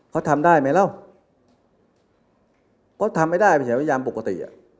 เขาทำได้ไหมแล้วเขาทำไม่ได้ไปใช้วิญญาณปกติ